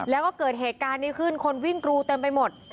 แล้วก็เกิดเหตุการณ์นี้ขึ้นคนวิ่งกรูเต็มไปหมด